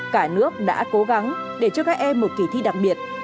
cả nước đã cố gắng để cho các em một kỳ thi đặc biệt